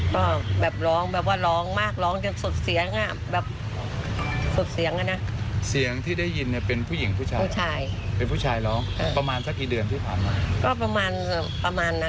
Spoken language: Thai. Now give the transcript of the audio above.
เมื่อประมาณ๔เดือนที่แล้วนี่นะครับ